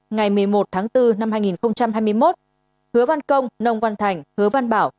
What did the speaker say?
ngày một mươi một tháng bốn năm hai nghìn hai mươi một hứa văn công nông văn thành hứa văn bảo